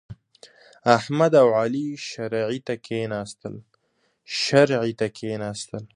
احمد او علي شرعې ته کېناستل.